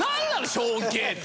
ショーンＫって。